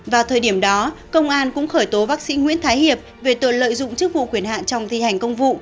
vào thời điểm đó công an cũng khởi tố bác sĩ nguyễn thái hiệp về tội lợi dụng chức vụ quyền hạn trong thi hành công vụ